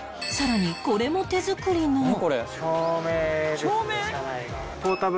さらにこれも手作りの